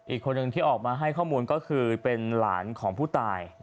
อีกคนนึงที่ออกมาให้ข้อมูลก็คือเป็นหลานของผู้ตาย